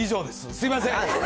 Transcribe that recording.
すみません。